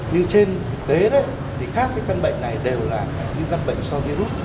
như trên thực tế các bệnh này đều là những bệnh do virus